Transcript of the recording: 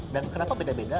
dan kenapa beda beda